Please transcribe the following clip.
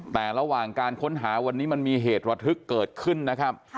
แต่ระหว่างการค้นหาวันนี้มันมีเหตุระทึกเกิดขึ้นนะครับ